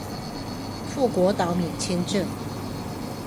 富國島免簽證